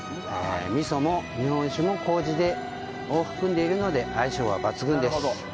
みそも日本酒もこうじを含んでいるので相性は抜群です。